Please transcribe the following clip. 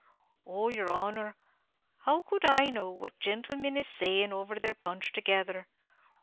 "Oh, yer honor, how could I know what gentlemin is saying over their punch, together?